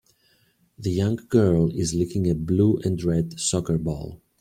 The young girl is kicking a blue and red soccer ball.